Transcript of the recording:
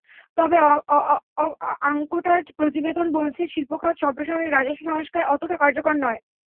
তবে আঙ্কটাড প্রতিবেদন বলছে, শিল্প খাত সম্প্রসারণে রাজস্ব সংস্কার অতটা কার্যকর নয়।